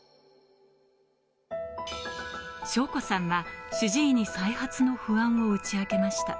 省子さんは主治医に再発の不安を打ち明けました。